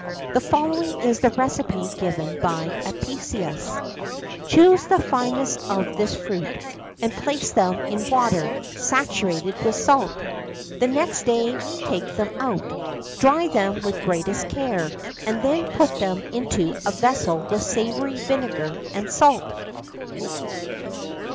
The following is the recipe given by Apicius: "Choose the finest of this fruit, and place them in water, saturated with salt. The next day take them out, dry them with the greatest care, and then put them into a vessel with savory, vinegar, and salt."